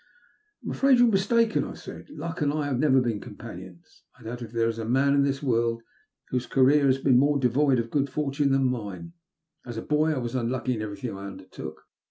'' I'm afraid you're mistaken," I said. Luck and I have never been companions. I doubt if there is a man in this world whose career has been more devoid of good fortune than mine. As a boy, I was unlucky in everything I undertook.